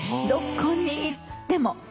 どこに行っても。